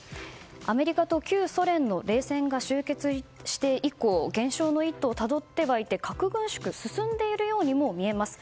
アメリカと旧ソ連の冷戦が終結して以降減少の一途をたどってはいて核軍縮は進んでいるように見えます。